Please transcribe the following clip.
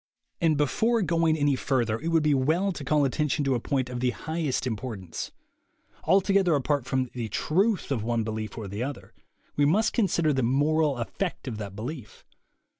And before going any further it would be well to call attention to a point of the highest impor THE WAY TO WILL POWER 99 tance. Altogether apart from the truth of one belief or the other, we must consider the moral effect of the belief.